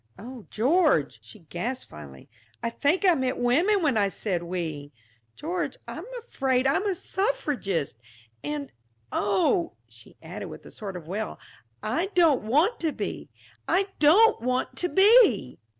"Oh, George," she gasped finally, "I think I meant women when I said 'we.' George, I'm afraid I'm a suffragist. And oh," she added, with a sort of wail, "I don't want to be, I don't want to be!"